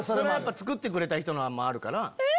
作ってくれた人のもあるから。